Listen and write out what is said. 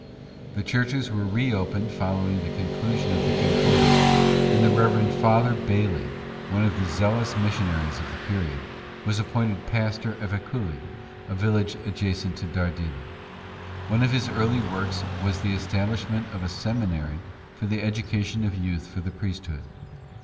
The churches were re opened following the conclusion of the concordat, and the Rev. Father Bailey, one of the zealous missionaries of the period, was appointed pastor of Ecully, a village adjacent to Dardilly. One of his early works wras the establishment of a seminary for the education of youth for the priesthood.